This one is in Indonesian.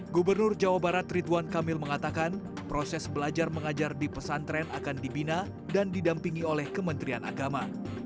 gubernur jawa barat ridwan kamil mengatakan proses belajar mengajar di pesantren akan dibina dan didampingi oleh kementerian agama